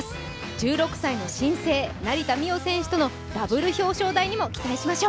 １６歳の新星・成田実生選手とのダブル表彰台を目指します。